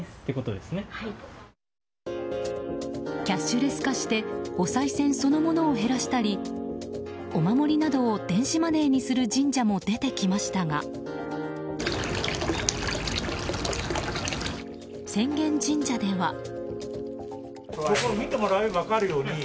キャッシュレス化しておさい銭そのものを減らしたりお守りなどを電子マネーにする神社も出てきましたが浅間神社では。